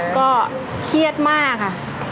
ก็เครียดมากค่ะ